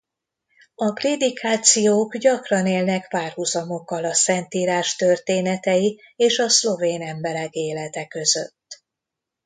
A prédikációk gyakran élnek párhuzamokkal a Szentírás történetei és a szlovén emberek élete között.